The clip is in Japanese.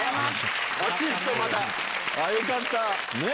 よかった。